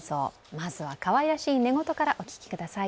まずは、かわいらしい寝言からお聞きください。